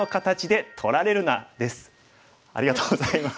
ありがとうございます。